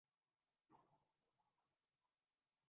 روپے کے مقابلے میں ڈالر کی قدر ماہ کی کم ترین سطح پر پہنچ گئی